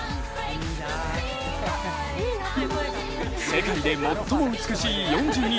世界で最も美しい４２．１９５